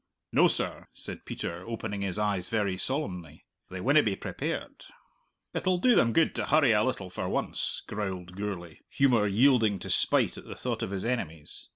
"No, sir," said Peter, opening his eyes very solemnly, "they winna be prepared." "It'll do them good to hurry a little for once," growled Gourlay, humour yielding to spite at the thought of his enemies.